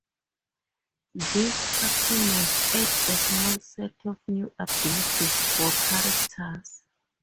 These supplements add a small set of new abilities for characters.